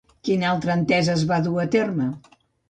Quina altra entesa es va dur a terme?